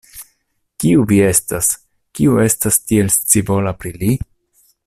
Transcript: Kiu vi estas, kiu estas tiel scivola pri li?